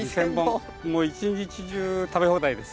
一日中食べ放題です。